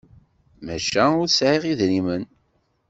Maca ur sɛiɣ idrimen.